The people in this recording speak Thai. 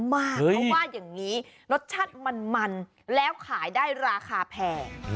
เขาว่าอย่างนี้รสชาติมันแล้วขายได้ราคาแพง